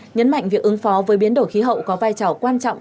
nhấn mạnh việc ứng phó với biến đổi khí hậu có vai trò quan trọng